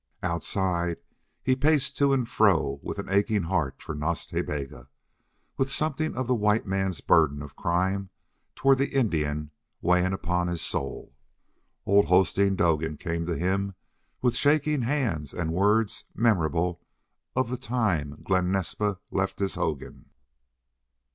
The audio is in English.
........... Outside he paced to and fro, with an aching heart for Nas Ta Bega, with something of the white man's burden of crime toward the Indian weighing upon his soul. Old Hosteen Doetin came to him with shaking hands and words memorable of the time Glen Naspa left his hogan.